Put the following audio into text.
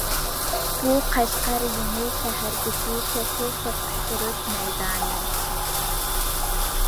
بۇ قەشقەر يېڭىشەھەردىكى توخۇ سوقۇشتۇرۇش مەيدانى.